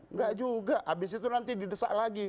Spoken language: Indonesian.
enggak juga abis itu nanti didesak lagi